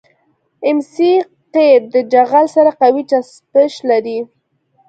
ام سي قیر د جغل سره قوي چسپش لري